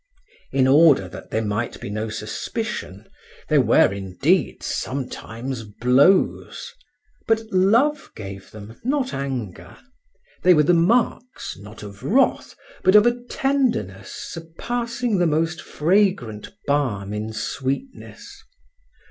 In order that there might be no suspicion, there were, indeed, sometimes blows, but love gave them, not anger; they were the marks, not of wrath, but of a tenderness surpassing the most fragrant balm in sweetness.